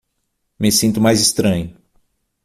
Me sinto mais estranho